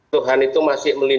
tuhan itu masih melakukan